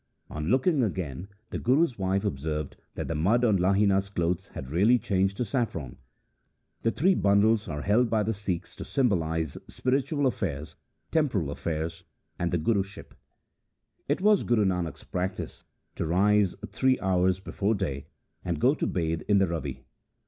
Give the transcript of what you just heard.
On looking again the Guru's wife observed that the mud on Lahina's clothes had really changed to saffron. The three bundles are held by the Sikhs to symbolize spiritual affairs, temporal affairs, and the Guruship. It was Guru Nanak's practice to rise three hours before day and go to bathe in the Ravi.